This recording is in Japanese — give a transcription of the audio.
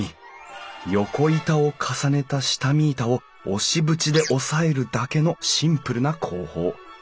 横板を重ねた下見板を押し縁で押さえるだけのシンプルな工法。